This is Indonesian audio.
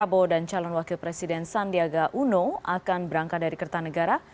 prabowo dan calon wakil presiden sandiaga uno akan berangkat dari kertanegara